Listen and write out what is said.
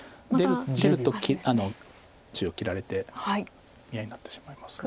出ると中央切られて見合いになってしまいますので。